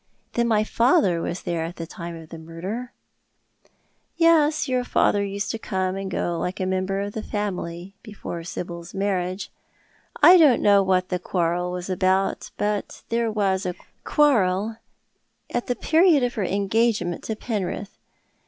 " Then my father was there at the time of the murder ?"" Yes, your fatlier used to come and go like a member of the family, before Sibyl's marriage. I don't know what the quarrel was about, but there was a quarrel at the period of her engagement to Penrith.